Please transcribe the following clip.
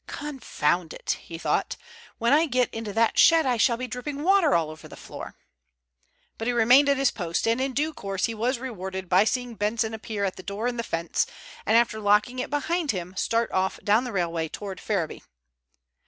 "Confound it," he thought, "when I get into that shed I shall be dripping water all over the floor." But he remained at his post, and in due course he was rewarded by seeing Benson appear at the door in the fence, and after locking it behind him, start off down the railway towards Ferriby.